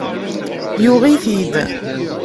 Yuɣ-it-id.